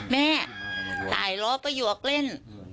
แม่ตายล้อประหยวกเล่น